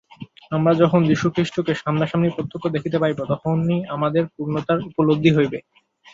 আমরা যখন যীশুখ্রীষ্টকে সামনাসামনি প্রত্যক্ষ দেখিতে পাইব, তখনই আমাদের পূর্ণতার উপলব্ধি হইবে।